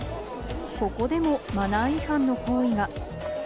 ここでもマナー違反の行為が。